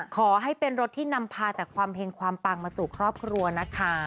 ขอให้เป็นรถที่นำพาแต่ความเห็งความปังมาสู่ครอบครัวนะคะ